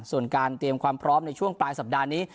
ส่วนการเตรียมความพร้อมในช่วงปลายสัปดาห์นี้